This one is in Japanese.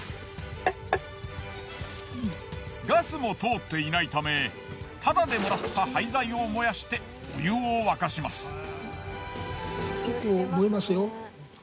ガスも通っていないためタダで貰った廃材を燃やしてお湯を沸かします。